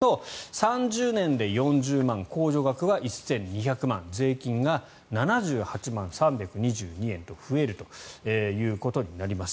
ずっと４０万だとすると３０年で４０万控除額は１２００万円税金が７８万３２２円と増えるということになります。